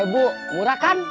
tujuh ribu murah kan